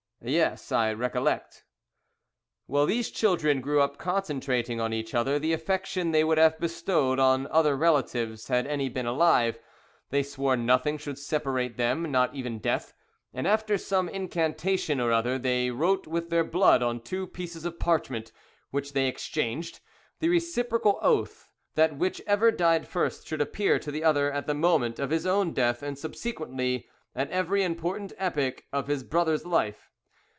"Yes, I recollect." "Well, these children grew up concentrating on each other the affection they would have bestowed on other relatives had any been alive. They swore nothing should separate them, not even death, and after some incantation or other they wrote with their blood on two pieces of parchment, which they exchanged, the reciprocal oath that whichever died first should appear to the other at the moment of his own death, and, subsequently, at every important epoch of his brother's life.